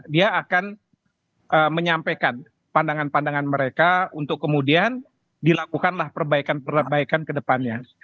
dia akan menyampaikan pandangan pandangan mereka untuk kemudian dilakukanlah perbaikan perbaikan ke depannya